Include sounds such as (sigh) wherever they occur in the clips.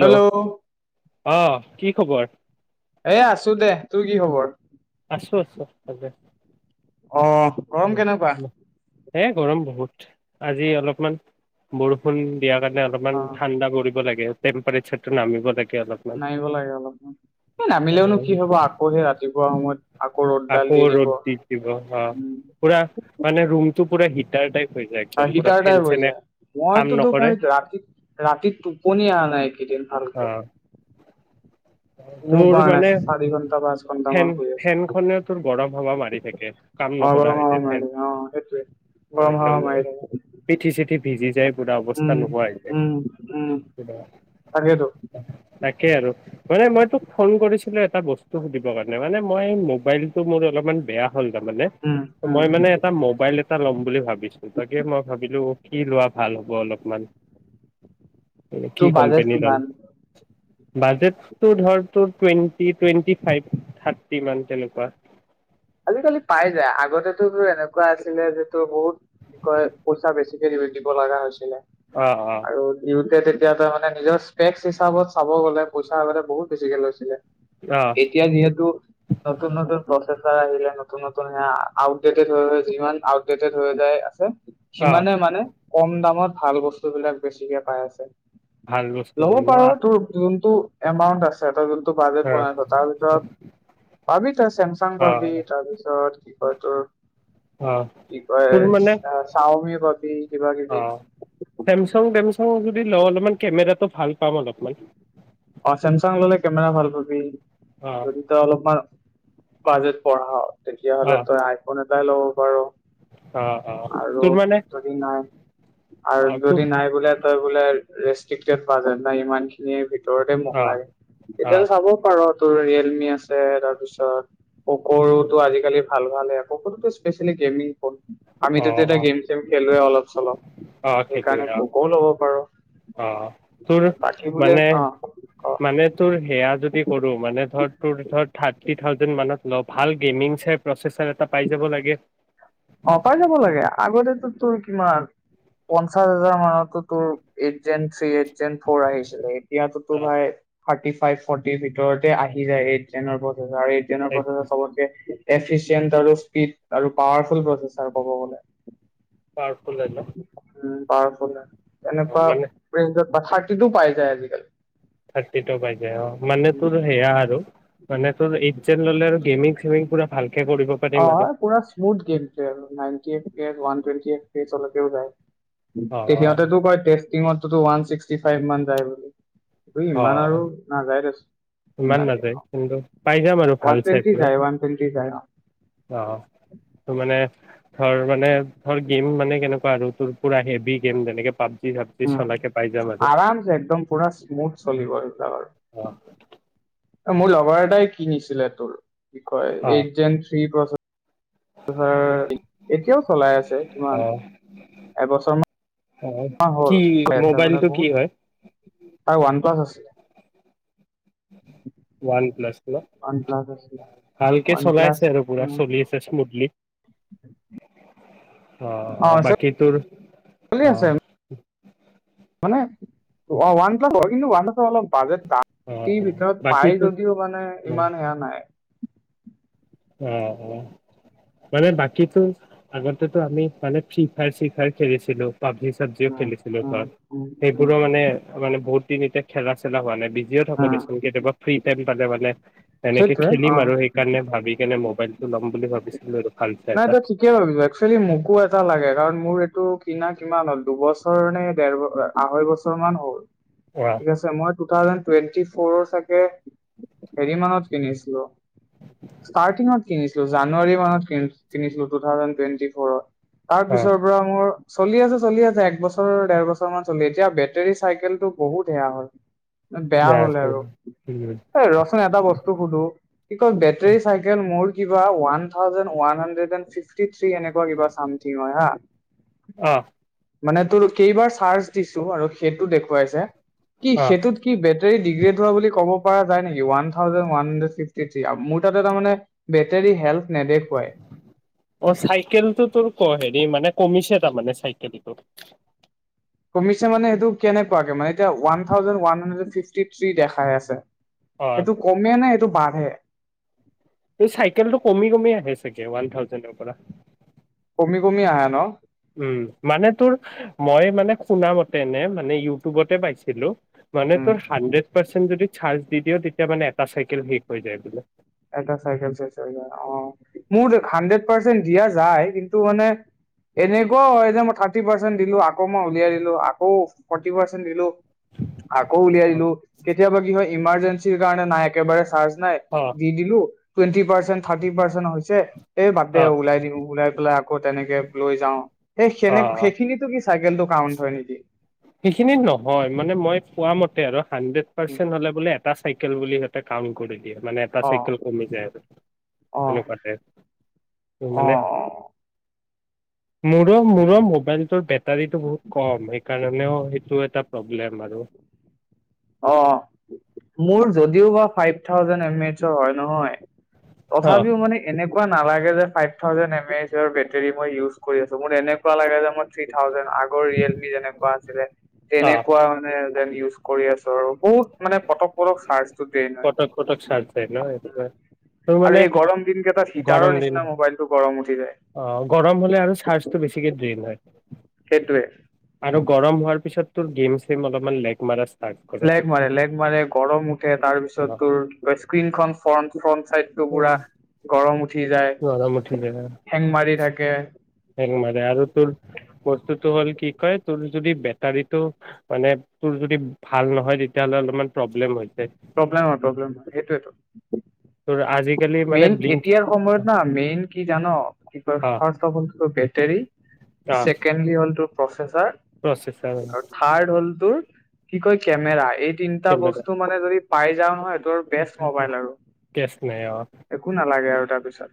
Hello অহ' কি খবৰ? এই আছোঁ দে, তোৰ কি খবৰ? আছো আছো ভালে অহ' গৰম কেনেকুৱা? এই গৰম বহুত আজি অলপমান বৰষুণ দিয়াৰ কাৰণে অ অলপমান ঠাণ্ডা কৰিব লাগে। টেম্পেচাৰটো নামিব লাগে। অলপমান নামিব লাগে অলপমান এই নামিলেওনো কি হ'ব, আকৌ সেই ৰাতিপুৱা সময়ত আকৌ ৰ'দডাল আকৌ দি দিব ৰ'দ দি দিব অ' উম পুৰা মানে ৰুমটো। পুৰা হিটাৰ টাইপ হৈ যায় একদম হয়, পুৰা হিটাৰ ফেন টাইপ হৈ চেনে যায়। কাম মইতো নকৰে তোমাৰ ৰাতি ৰাতিত টোপনি অহা নাই এইকেইদিন অ ভালকে শুব তোৰ পৰা নাই মানে চাৰি ঘন্টা পাঁচ ঘন্টা ফেন মান শুই আছো ফেনখনেও তোৰ গৰম হবা মাৰি থাকে কাম অ নকৰা গৰম হৈ হাৱা য ফেন মাৰি থাকে অ সেইটোৱে গৰম একদম হাৱা মাৰি থাকে পিঠি চিঠি ভিজি যায় পোৰা অৱস্থা উম নোহোৱা হৈছে উম উম তাকেতো তাকেই আৰু মানে মই তোক ফোন কৰিছিলো এটা বস্তু সুধিবৰ কাৰণে মানে মই মোবাইলতটো মোৰ অলপমান বেয়া হ'ল তাৰ মানে উম উম মই মানে এটা মবাইল এটা ল'ম বুলি ভাবিছো তাকে মই ভাবিলো কি লোৱা ভাল হ'ব অলপমান তোৰ বাজেট কিমান বাজেট ধৰ ত টুৱেণ্টি টুৱেণ্টি ফাইভ থাৰ্টি মান তেনেকুৱা আজিকালি পাই যায় আগতেতো এনেকুৱা আছিলে যটো বহুত কি কয় পইচা বেছিকে দিব লগা হৈছিলে অ অ আৰু দু তেতিয়া ত মানে নিজৰ স্পেকস হিচাপত চাব গ'লে পইচা বহুত বেছিকে লৈছিলে অ এতিয়া যিহেতু নতুন নতুন প্ৰচে আহিলে নতুন নতুন স আউটডেটেড হৈ যিমান আউটডেটেড হৈ যায় আছে অ সিমানে মানে কম দামত ভাল বস্তু বিলাক বেছিকে পাই আছে ভাল লব বস্তুবোৰ ন পাৰ তোৰ যোন তোৰ এমাউণ্ট আছে তই যোন টো বাজেট অ বনাইছ, তাৰ ভিতৰত পাবি তই ছেম অ পাবি তাৰপিছত বিষয়টোৰ, অ কি কয় তোৰ মানে চাওমি পাবি কিবা কিবি ল অলপমান কেমেৰাটো ভাল পাম অলপমানই অ চেমচং ললে কমেৰা ভাল পাবি অ যদি ত অলপমান কাজত পঢ়া অ তেতিয়াহ'লে তই আইফোন লাই ল'ব পাৰ অ অ আৰু তোৰ মানে যদি নাই আৰু অ তোৰ যদি নাই বোলে তই বোলে ৰেষ্ট্ৰিক্টড পোৱা যায় ন ইমান খিনিয়ে ভিতৰতে অ', মহলাই অ', তেতিয়া চাব পাৰ তোৰ ৰিয়েলমি আছে ত তাৰ পাচত পকৰুতো আজিকালি ভাল ভালে কতো স্পেচেলি গেমিং আমিতো অ', এতিয়া অ', গেম চেম খেলোে অলপ চলপ অ', খেলুৱৈ সেইকাৰণে অ', ভোকও লব পাৰো অ তোৰ মানে অ অ মানে তোৰ সেয়া যদি কৰো মানে ধৰ তোৰ ধৰ থাৰ্টি থাজেড মানত ল ভাল গেমিং প্ৰচচাৰ এটা পাই যাব লাগে অ তাই যাব লাগে আগতেতো তোৰ কিমান পঞ্চাশ হাজাৰ মানতো তোৰ এইট যেন থ্ৰী এইট ফ আহিছিলে এতিয়াতোতো অ', ভাই থাৰ্টি ফাইভ ফৰ্টিৰ ভিতৰতে আহি যায় এইট্ৰেনৰ আৰুতিনৰ প্ৰথ চবতকে এফিচিয়েণ্ট আৰু স্পীড আৰু পাৱাৰ প্ৰচ কবলে পাৱাৰফুল আ ন পাৰফ ন অ', এনেকুৱা মানে প্ৰ বাথাক্টিতো পাই যায় আজিকালি থাৰ্টিটো পাই যায় অ মানে তোৰ সেয়া আৰু মানে তোৰ এইন ল'লে আৰু গেমিং চেমিং পুৰা ভাল অ পৰা ইচমত গেম নাইনটি কৰে ওৱান স চল দেউ যায় অ', সিহঁতেতটো কয় তেজ টি ওৱান ছিক্সটি ফাইভ মান যায় বুলি। ত' অ', ইমান আৰু অ', নাযায় দে ইমান দি নাযায় ওৱান কিন্তু পাই যাম আৰু ভাল চাই টুৱেন্টি পুৰা যাই ওৱান টুৱেন্টি যাই ন'। অ', ত' মানে ধৰ মানে ধৰ গেম মানে কেনেকুৱা আৰু তোৰ পুৰা হেভি গেম যেনেকে পাব উম, আৰামছে একদম পুৰা স্মুথ চলিব (unintelligible) অহ। মোৰ লগৰ এটাই কিনিছিলে তোৰ কি কয় এইট অ জেন পথ্ৰি এতিয়াও চলাই আছে কিমান এবছৰ অ মান কি হ'ল মানে মোবাইলটো কি বহুত হয় তাৰ ওৱান প্লাছ আছে। অ'। One plus. ওৱান প্লাছ আছিলে ভালকে ওৱান প্লাছ চলাইছে আৰু পুৰা উম, চলি আছে স্মুথলি। অ', অ', বাকী তোৰ অ'। মানেওৱান প্লাছ হয় কিন্তু ওৱান প্লাছ বাজে অ ৰাতিৰ অ ভিতৰত বাকী পাই তোৰ যদিও মানে অ ইমান সেয়া নাই। উম, উম, মানে বাকীটো আগতেতো আমি মানে ফ্ৰী ফায়াৰ, চি ফায়াৰ খেলিছিলো। পাবজি চাবজিও উম খেলিছিলোঁ উম ঘৰত উম উম সেইবোৰো মানে মানে বহুত তিনি এয়া খেলা চেলা হোৱা নাই বি লিঅ থাকো উম দেচোন কেতিয়াবা ফ্ৰী টাইম পালে মানে এনেকে সেইটোৱে খেলিম অ আৰু সেইকাৰণে ভাবি নে মোবাইল টো লম বুলি ভাবিছিলো। আৰু ভাল চাই নাই এটা তই ঠিকে ভাবিছো একচুৱেলি মোকো এটা লাগে কাৰণ মোৰ এইটো কিনা কিমান হ'ল দুবছৰ নে ডেৰ ব আঢ়ৈ বছৰ মান হ'ল। অ ঠিক আছে মই টু থাউজেণ্ত টুৱেণ্টি ফৰৰ চাগে হেৰি মানত কিনিছিলো। ষ্টাৰ্টিংত কিনিছো। জানুৱাৰী মাহত কিনিছিলো টু থাউজেন টুৱেণ্টি ফ'ৰত। তাৰ অ পিছৰ পৰা মোৰ চলি আছে, চলি আছে এক বছৰ ডেৰ বছৰ মান চলি এতিয়া বেটেৰী চাইকেল টো বহুত সেয়া হ'ল। বেয়া হ'লে আৰু উম এই ৰ' চোন এটা বস্তু সুধো কি কয় বেটৰী চাইকেল মোৰ কিবা one thousand one hundred and T three এনেকুৱা কিবা চামথিং হয় হা। অ মানে তোৰ কেইবাৰ চাৰ্জ দিছো আৰু সেইটো দেখুৱাইছে কি অ সেইটোত কি বেটেৰী ডিগ্ৰেড হোৱা বুলি ক'ব পৰা যায় নেকি one thousand one hundred sixty three মোৰ তাতে তাৰ মানে বেটেৰী হেল্থৰ অ চাইকেলটো তোৰ ক হেৰি মানে কমিছে তাৰমানে চাইকেলটো কমিছে মানে সেইটো কেনেকুৱাকে মানে এতিয়াও one thousand one hundred fifty three দেখাই আছে। অ সেইটো কমে নে টো বাঢ়ে এই চাইকেলটো কমি কমি আহে চাগে ৱান থাউজেনৰ পৰা। কমি কমি আহে ন? উম, মানে তোৰ মই মানে শুনা মতে নে মানে ইউটিউবতে পাইছিলো মানে উম তোৰ হাণ্ড্ৰেত চাৰ্জ দি দিয়া তেতিয়া মানে এটা চাইেল শেষ হৈ যায় এটা চাইেল চ অ মোৰ হাড্ৰেড পাৰ্চেন্ট দিয়া যাই এটা চাইকেল চেছ হয় জাই অ'। মুঠ হাণ্ড্ৰেত পাৰ্চেণ্ট দিয়া যায় কিন্তু মানে এনেকুৱাও হয় যে মই থাৰ্টি পাৰ্চেণ্ট দিলো আকৌ মই উলিয়াই দিলো আকৌ ফৰ্টি পাৰ্চেন্ট দিলো আকৌ উলিয়াই অ দিলো কেতিয়াবা কি হয় ইমাৰজেঞ্চি গানে নাই একেবাৰে চাৰ্জ নাই অ টো টুৱেণ্তি পাৰ্চেণ্ট থাৰ্টি পাৰ্চেন্ট হৈছে এই বাদে অ ওলাই দিম ওলাই আহ পেলাই আকৌ তেনেকে লৈ যাওঁ। সেই অ সেনে সেইখিনিতো কি চাইকেলটো কাউন্ট হয় নেকি? সেইখিনিত নহয় মানে মই পোৱা মতে আৰু হানড্ৰে পাৰ্চ হলে বোলে এটা চাইকেল বুলি সিহঁতে কাম কৰিলে মানে এটা অ চাইকেল কমি যায় আৰু অ তেনেকুৱাতে অ মানে অ মোৰো মোৰো মোবাইলটোৰ বেটাৰীটো বহুত কম সেই কাৰণেওঁ সেইটো এটা প্ৰব্লেম আৰু অ', মোৰ যদিও বা ফাইভ থাউজেন এডমিদতো হয় নহয় অ তথাপিও মানে এনেকুৱা নো নালাগে যে ফাইভ থাউজেন এমএচৰ বেটাৰী মই ইউজ কৰি আছো, মোৰ এনেকুৱা লাগে যে মই থ্ৰি থাউজেন আগৰ ৰিয়েলিটী কেনেকুৱা আছিলে অ তেনেকুৱা মানে তাত ইজ কৰি আছো ধৰো বহুত মানে পটক পটক চাৰ্জ ফটক ফটক চাৰ্জ য়ায় ন' তোৰ আৰু মানে এই গৰম দিন কেইটাত হিটাৰৰ গৰম দিন নিচিনা মোবাইলটো গৰম উঠি যায় অ', গৰম হ'লে আৰু চাৰ্জটো বেছিকে দেৰি হয়। সেইটোৱে। আৰু গৰম হোৱাৰ পিছত তোৰ গম চম অলপ লেক মাৰে আ লেগ মাৰে লেক মাৰে গৰম উঠে তাৰপিছত অ চতোৰ তই স্কিন খন ফন্ত চাই টো পুৰা গৰম হয় উঠি যায় গৰম উঠি যায় হেং মাৰি থাকে হেং মাৰে আৰু তোৰ বস্তু তু হ'ল কি কয় তুমি যদি বেতাৰিটো মানে তুৰ যদি ভাল নহয় তেতিয়া হ'লে অলপ মান প্ৰব্লেম হয়ছে প্ৰব্লেম হয়, প্ৰব্লেম হয় সেইটোৱেটো। তোৰ আজি মেইন এতিয়াৰ সময়ত না মেইন কি জান কি কয় অ ফাৰ্ষ্ট অফ অলটো বেটৰী অ ছেকেণ্ডলি হ'লটো প্ৰচেছ প্ৰচেছাৰ ছাৰ আৰু থাৰ্ড হ'ল তোৰ কি কয় কেমেৰা এই তিনিটা কেমেৰা বস্তু মানে যদি পায় যাওঁ নহয় তোৰ বেষ্ট ম'বাইল আৰু কেচ নাই অ একো নালাগে আৰু তাৰপিছত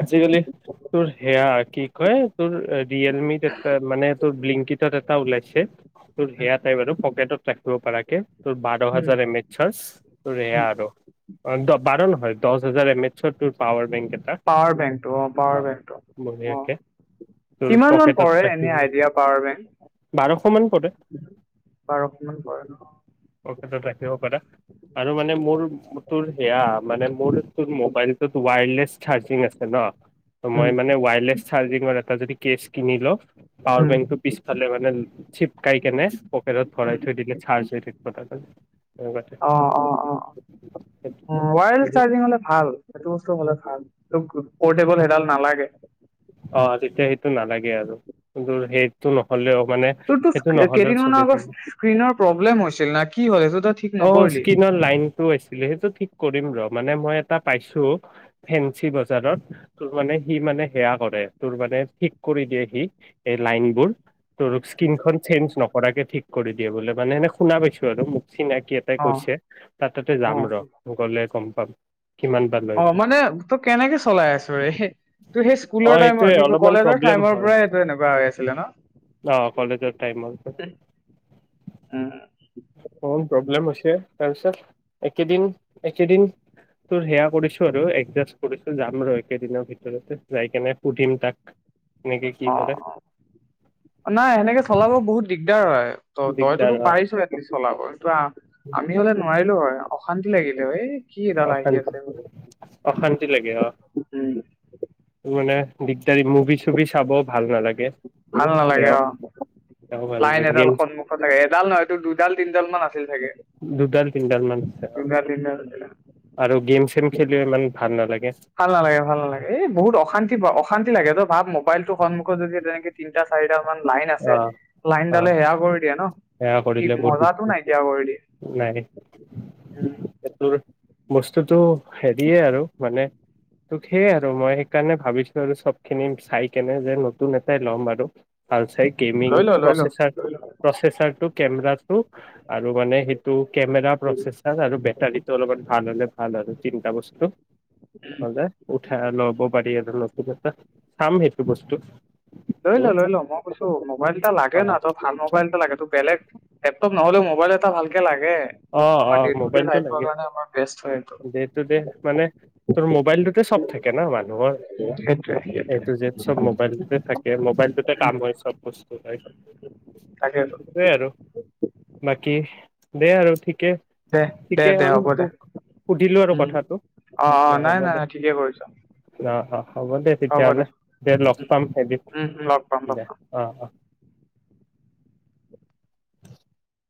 আজিকালি তোৰ সেয়া কি কয় তোৰ এ ৰিয়েলমি এটাত মানে তোৰ ব্লিনকিত ত টা উলাইছে তোৰ সেইয়া উম টাইপ আৰু পকেটত ৰাখিব পাৰাকে তোৰ বাৰ হাজাৰ উম এম এচ চৰ তোৰ এয়া উম আৰু অ', দ, বাৰ নহয় দচ হেজাৰ এম এ চন‌ তোৰ পাৱাৰ বেংক পাৱাৰ বেংকটো অ পাৱাৰ বেংকটো অ ধুনিয়াকে। তোৰ কিমান মান পৰে পকেটত এনে ৰাখিব, আইডিয়া পাৱাৰ বেংক বাৰশ মান পৰে। বাৰশ মান পৰে ন পকেটত ৰাখিব পাৰা। আৰু মানে মোৰ তোৰ সেয়া মানে মোৰ তোৰ মোবাইলটোত ৱায়লেছ চাৰ্জিং আছে ন। ত' উম মই মানে ৱায়াৰলেছ চাৰ্জিঙৰ এটা যদি কেচ কিনি লওঁ পাৱাৰ উম বেংকটো পিছফালে মানে চিপকাই কেনে পকেটত উম ভৰাই থৈ দিলে চাৰ্জ হৈ থাকব (unintelligible) অ, অ, অ। মোবাইল চাৰ্জিং হলে ভাল। সেইটো বস্তু হলে ভাল। পৰ্টেবল সেইডাল নালাগে। অ তেতিয়া সেইটো নালাগে আৰু কিন্তু সেইটো নহলেও মানে তোৰতো সেইটো স্ক- নহলেও কেইদিনমানৰ চলি আগত থাকে। স্ক্ৰীনৰ প্ৰব্লেম হৈছিল না কি হ'ল এইটো তই ঠিক অ, নকৰিলি? স্কিনৰ লাইনটো আইছিলে, সেইটো ঠিক কৰিম ৰ মই। মানে মই এটা পাইছো ফেঞ্চি বজাৰত। তোৰ মানে সি মানে সেয়া কৰে তোৰ মানে ঠিক কৰি দিয়ে সি এই লাইন বোৰ। তোৰ স্ক্ৰীনখন চেঞ্জ নক কৰাকে ঠিক কৰি দিয়ে বোলে মানে এনে শুনা পাইছোঁ আৰু মোক চিনাকি এটাই অ কৈছে তাৰ তাতে অ যাম ৰ, গলে গম পাম। কিমান বা অ লয় মানে তই কেনেকে চলাই আছ' ৰে। তই সেই অ স্কুলৰ টাইমৰ এইটোয়ে কি কয় অলপমান কলেজৰ প্ৰব্লেম টাইমৰ হয় পৰাই এইটো এনেকুৱা হৈ আছিলে ন? অ কলেজৰ টাইমত অকমান উ। তাৰপিছত একেদিন-একেদিন তোৰ সেয়া কৰিছো আৰু এডজাষ্ট কৰিছো যাম ৰ একেদিনৰ ভিতৰতে। যাই কেনে সুধিম তাক। কেনেকে কি অ, কৰে নাই সেনেকে চলাব বহুত দিগদাৰ হয়। ত তইতোতো দিগদাৰ অ পাৰিছ এ এটলিষ্ট চলাব। কিন্তু আমি হলে নোৱাৰিলো হয় অক্টো অশান্তি লাগিলে এ কি এডাল আহি অশান্তি আছে বোলো। অশান্তি লাগে অ উম, মানে দিগদাৰি মুভি-চুভি চাব ভাল নালাগে। তোৰ ভাল নালাগে সেয়াও অ, সেয়াও ভাল লাইন নালাগে এডাল গেম সন্মুখত লাগে। এডাল নহয় তোৰ দুডাল-তিনডাল মান আছিল চাগে। তিন ডাল মান আছি (unintelligible) দুডাল তিনডাল আছিলে আৰু গেম চেম খেলিও ইমান ভাল নালাগে। ভাল নালাগে, ভাল নালাগে। এ বহুত অশান্তি পাওঁ, অশান্তি লাগে তই ভাব মোক মোবাইলটো সন্মুখত যদি যেনেকে তিনিটা চাৰি দাল মান লাইন অ আছে। অ লাইনডালে সেয়া কৰি দিয়ে ন, সেয়া কি কৰিলে বহুত মজাটো দিগদাৰ নাইকিয়া কৰি দিয়ে। নাই উম তোৰ বস্তুটো হেৰিয়ে আৰু মানে তোক সেইয়াই আৰু মই সেইকাৰণে ভাবিছো আৰু চবখিনি চাই কেনে যে নতুন এটাই লম আৰু। ভাল চাই গেমিং লৈ ল লৈ ল প্ৰচেচাৰ লৈ ল প্ৰচেচাৰটো কেমৰাটো আৰু মানে সেইটো কেমেৰা প্ৰচেচাৰ আৰু বেটাৰীটো অলপমান ভাল হ'লে ভাল আৰু। তিনটা বস্তু তি কলে উঠ। হে ল'ব পাৰি আৰু নতুন এটা, চাম সেইটো বস্তু লৈ ল তোৰ লৈ ল মই কৈছো মোবাইলটা লাগে অ ন তই ভাল মোবাইল এটা লাগে বেলেগ লেপটপ নহ'লেও মোবাইল এটা ভালকে লাগে অ আমাৰ অ ডে টু ডে মোবাইলটো লাইফৰ লাগে কাৰণে আমাৰ বেষ্ট হয় এইটো দে টু দে মানে তোৰ মোবাইলটোতে চব থাকে ন মানে (unintelligible) নহয় সেইটোৱে সেইটোৱে এই টু জেদ চব মোবাইলটোতে থাকে মোবাইলটোতে উম কাম হয় চব বস্তু হয় হয় (unintelligible) তাকেতো সেইটোৱেই আৰু বাকী দেই আৰু ঠিকে দে দে ঠিকে দে হল হ'ব আৰু দে তোক সুধিলো আৰু উম কথাটো অ অ দে নাই হ'ব নাই দে, নাই, ঠিকে কৰিছ অঁ অঁ হ'ব দে তেতিয়াহ'লে দে লগ পাম এদিন উম লগ পাম লগ দে, পাম অঁ অঁ